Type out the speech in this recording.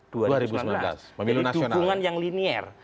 jadi dukungan yang linier